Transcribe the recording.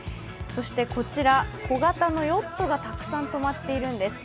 そしてこちら、小型のヨットがたくさん止まっているんです。